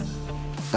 maaf pak bu